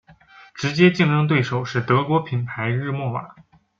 直接竞争对手是德国品牌日默瓦。